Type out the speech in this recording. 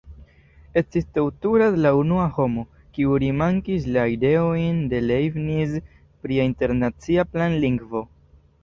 Estis Couturat la unua homo, kiu rimarkis la ideojn de Leibniz pri internacia planlingvo.